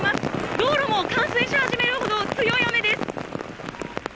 道路も冠水し始めるほど強い雨です。